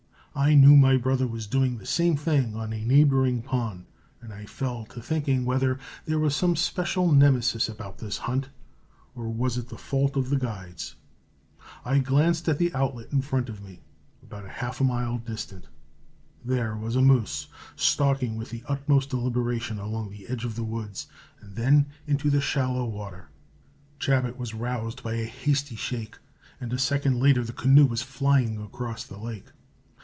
I knew my brother was doing the same thing on a neighboring pond, and I fell to thinking whether there was some special Nemesis about this hunt, or it was the fault of the guides. I glanced at the outlet in front of me, about a half mile distant. There was a moose, stalking with the utmost deliberation along the edge of the woods and then into the shallow water. Chabot was roused by a hasty shake, and a second later the canoe was flying across the lake.